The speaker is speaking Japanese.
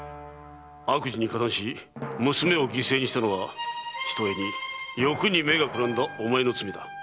悪事に加担し娘を犠牲にしたのはひとえに欲に目がくらんだおまえの罪だ。